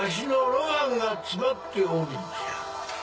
ロマンが詰まっておるんじゃ。